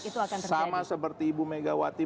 itu akan sama seperti ibu megawati